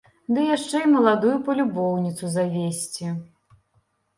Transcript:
Ды яшчэ і маладую палюбоўніцу завесці.